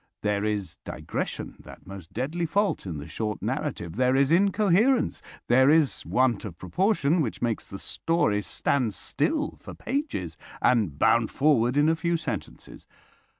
There is digression, that most deadly fault in the short narrative; there is incoherence, there is want of proportion which makes the story stand still for pages and bound forward in a few sentences.